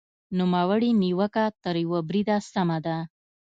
نوموړې نیوکه تر یوه بریده سمه ده.